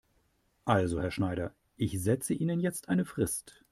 Also Herr Schneider, ich setze Ihnen jetzt eine Frist.